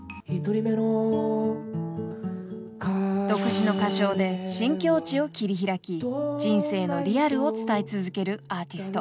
［独自の歌唱で新境地を切り開き人生のリアルを伝え続けるアーティスト］